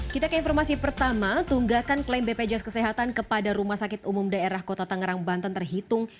kita ke informasi pertama tunggakan klaim bpjs kesehatan kepada rumah sakit umum daerah kota tangerang banten terhitung